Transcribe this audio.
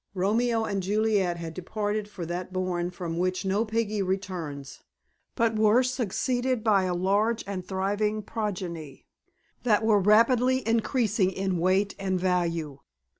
Romeo and Juliet had departed for that bourn from which no piggy returns, but were succeeded by a large and thriving progeny, that were rapidly increasing in weight and value.